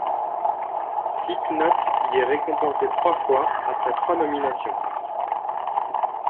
Slipknot y est récompensé trois fois après trois nominations.